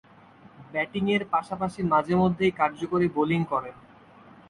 ব্যাটিংয়ের পাশাপাশি মাঝে-মধ্যেই কার্যকরী বোলিং করেন।